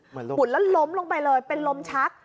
อุ่นแล้วล้มลงไปเลยเป็นลมชัก